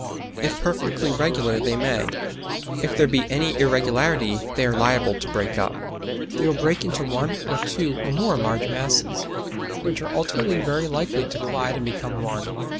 If perfectly regular they may; if there be any irregularity they are liable to break up. They will break into one or two or more large masses, which are ultimately very likely to collide and become one.